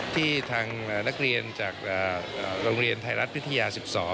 ที่ทางนักเรียนจากโรงเรียนไทยรัฐวิทยา๑๒